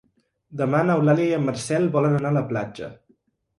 Demà n'Eulàlia i en Marcel volen anar a la platja.